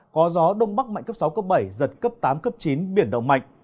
có gió đông bắc mạnh cấp sáu cấp bảy giật cấp tám cấp chín biển động mạnh